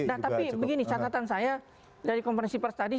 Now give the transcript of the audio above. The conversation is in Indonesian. nah tapi begini catatan saya dari konferensi pers tadi